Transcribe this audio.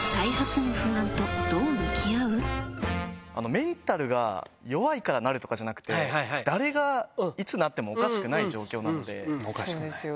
メンタルが弱いからなるとかじゃなくて、誰がいつなってもおかしくない状況なので。